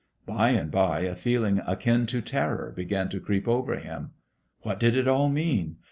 By and by a feeling akin to terror began to creep over him. What did it all mean?